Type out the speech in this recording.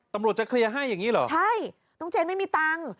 ตำรวจจะเคลียร์ให้อย่างนี้เหรอใช่น้องเจนไม่มีตังค์